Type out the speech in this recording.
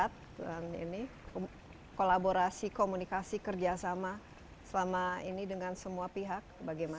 dan ini kolaborasi komunikasi kerjasama selama ini dengan semua pihak bagaimana